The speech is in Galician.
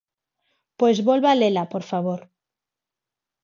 Pois volva lela, por favor.